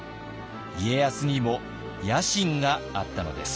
家康にも野心があったのです。